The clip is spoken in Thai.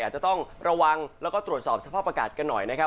อาจจะต้องระวังแล้วก็ตรวจสอบสภาพอากาศกันหน่อยนะครับ